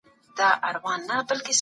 هر څوک نسي کولای سياسي قدرت لاسته راوړي.